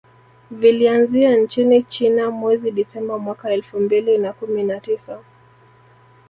Vilianzia nchini China mwezi Disemba mwaka elfu mbili na kumi na tisa